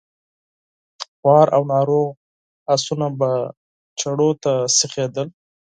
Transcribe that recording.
خوار او ناروغ آسونه به چړو ته سيخېدل.